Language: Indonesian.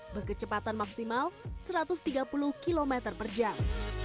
berkecepatan maksimal satu ratus tiga puluh km per jam